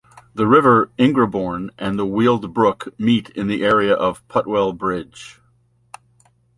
The River Ingrebourne and the Weald Brook meet in the area of Putwell Bridge.